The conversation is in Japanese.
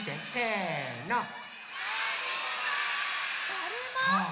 だるま？